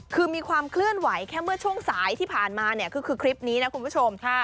คือมีความเคลื่อนไหวแค่เมื่อช่วงสายที่ผ่านมาเนี่ยคือคลิปนี้นะคุณผู้ชม